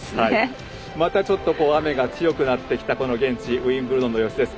またちょっと雨が強くなってきた現地ウィンブルドンの様子です。